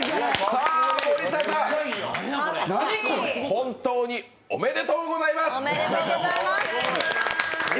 さあ、森田さん、本当におめでとうございます。